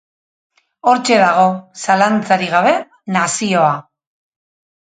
Hortxe dago, zalantzarik gabe, nazioa.